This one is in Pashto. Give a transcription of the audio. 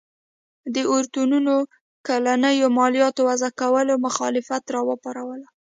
د اورتونونو کلنیو مالیاتو وضعه کولو مخالفت راوپاروله.